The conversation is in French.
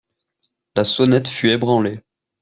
La sonnette fut ébranlée.